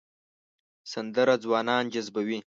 سندره ځوانان جذبوي